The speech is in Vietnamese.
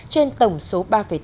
trên tổng số ba năm triệu xe ô tô